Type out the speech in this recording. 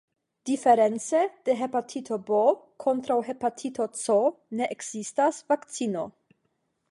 Diference de hepatito B, kontraŭ hepatito C ne ekzistas vakcino.